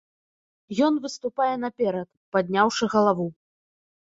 Ён выступае наперад, падняўшы галаву.